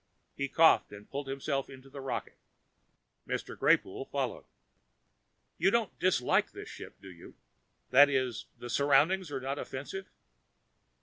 He coughed and pulled himself into the rocket. Mr. Greypoole followed. "You don't dislike this ship, do you that is, the surroundings are not offensive?"